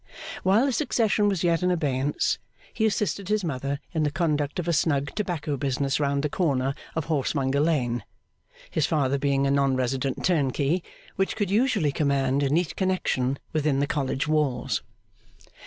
While the succession was yet in abeyance, he assisted his mother in the conduct of a snug tobacco business round the corner of Horsemonger Lane (his father being a non resident turnkey), which could usually command a neat connection within the College walls.